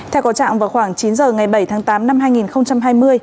theo có trạng vào khoảng chín giờ ngày bảy tháng tám năm hai nghìn hai mươi